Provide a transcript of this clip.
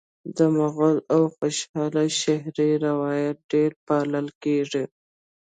د مغل او خوشحال شعري روایت ډېر پالل کیږي